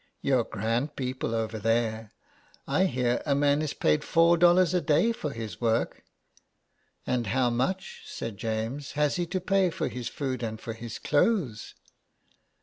You're grand people over there ; I hear a man is paid four dollars a day for his work." " And how much," said James, '' has he to pay for his food and for his clothes